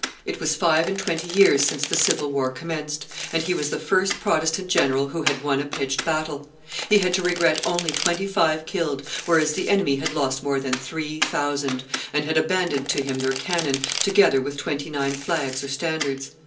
It was five and twenty years since the civil war commenced, and he was the first Protestant general who had won a pitched battle; he had to regret only twenty five killed, whereas the enemy had lost more than three thousand, and had abandoned to him their cannon, together with twenty nine flags or standards.